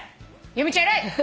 由美ちゃん偉い！